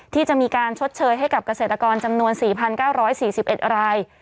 ที่จะมีการชดเชยให้กับเกษตรกรจำนวน๔๙๔๑ราย